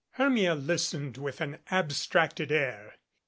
Hermia listened with an abstracted air.